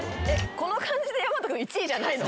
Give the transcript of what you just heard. この感じでやまと君１位じゃないの？